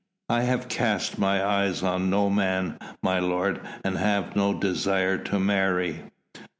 "I have cast my eyes on no man, my lord, and have no desire to marry."